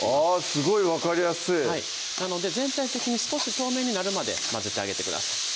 すごい分かりやすいなので全体的に少し透明になるまで混ぜてあげてください